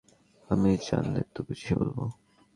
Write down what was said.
আমি জানলে তো গুছিয়ে বলব।